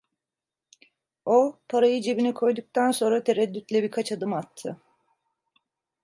O, parayı cebine koyduktan sonra tereddütle birkaç adım attı.